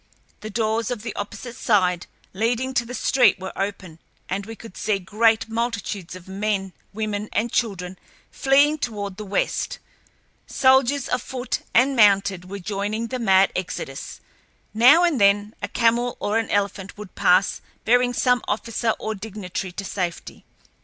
The doors of the opposite side, leading to the street, were open, and we could see great multitudes of men, women, and children fleeing toward the west. Soldiers, afoot and mounted, were joining the mad exodus. Now and then a camel or an elephant would pass bearing some officer or dignitary to safety.